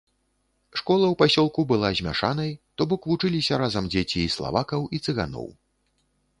Школа ў пасёлку была змяшанай, то бок вучыліся разам дзеці і славакаў, і цыганоў.